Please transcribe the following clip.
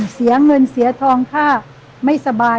เสียเงินเสียทองค่าไม่สบาย